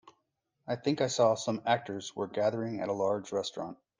I think I saw some actors were gathering at a large restaurant.